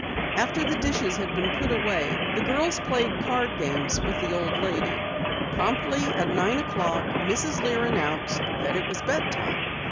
After the dishes had been put away, the girls played card games with the old lady. Promptly at nine o'clock Mrs. Lear announced that it was bed time.